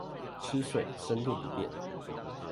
吃水深度不變